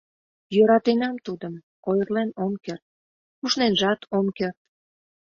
— Йӧратенам тудым, ойырлен ом керт, ушненжат ом керт...